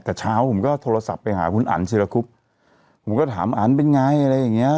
แต่เช้าผมก็โทรศัพท์ไปหาคุณอันศิรคุบผมก็ถามอันเป็นไงอะไรอย่างเงี้ย